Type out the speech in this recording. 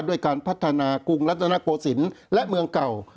ด้วยการพัฒนากรุงรัฐนโกศิลป์และเมืองเก่า